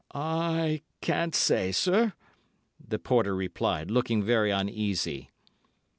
"I can't say, sir," the porter replied, looking very uneasy.